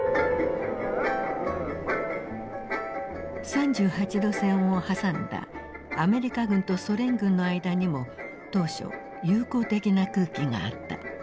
３８度線を挟んだアメリカ軍とソ連軍の間にも当初友好的な空気があった。